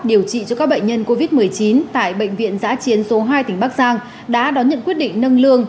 điều trị cho các bệnh nhân covid một mươi chín tại bệnh viện giã chiến số hai tỉnh bắc giang đã đón nhận quyết định nâng lương